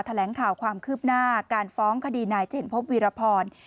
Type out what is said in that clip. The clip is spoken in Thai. แถลงข่าวความคืบหน้าการฟ้องคดีนายเจนพบวีรพร